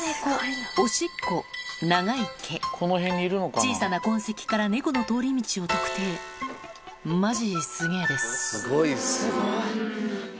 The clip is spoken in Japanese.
小さな痕跡から猫の通り道を特定マジすげぇです